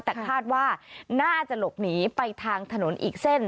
แต่คาดว่าน่าจะหลบหนีไปทางถนนอีกเส้น